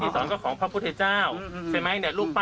คือนักก็อยากเอาตัวเหตุในผลนะลุงเนอะ